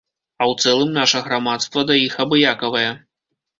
А ў цэлым наша грамадства да іх абыякавае.